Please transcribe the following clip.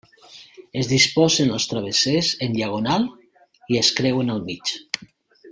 Es disposen els travessers en diagonal i es creuen al mig.